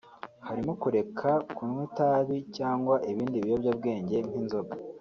harimo kureka kunywa itabi cyangwa ibindi biyobyabwenge nk’inzoga